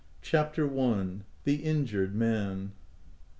CHAPTER L THE INJURED MAN.